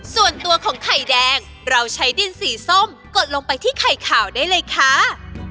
ส่วนตัวของไข่แดงเราใช้ดินสีส้มกดลงไปที่ไข่ขาวได้เลยค่ะ